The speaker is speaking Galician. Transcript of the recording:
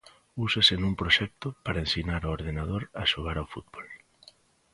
Úsase nun proxecto para ensinar ao ordenador a xogar ao fútbol.